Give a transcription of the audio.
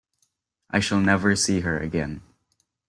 I shall never see her again.